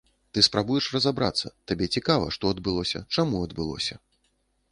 Ты спрабуеш разабрацца, табе цікава, што адбылося, чаму адбылося.